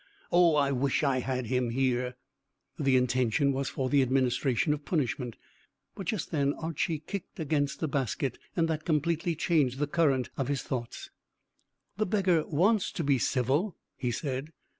Oh, I wish I had him here!" The intention was for the administration of punishment, but just then Archy kicked against the basket, and that completely changed the current of his thoughts. "The beggar wants to be civil," he said.